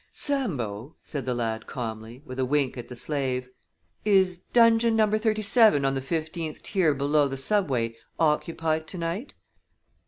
"Sambo," said the lad, calmly, with a wink at the slave, "is dungeon number thirty seven on the fifteenth tier below the Subway occupied to night?"